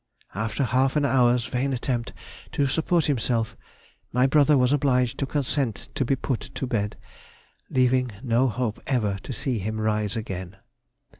After half an hour's vain attempt to support himself, my brother was obliged to consent to be put to bed, leaving no hope ever to see him rise again.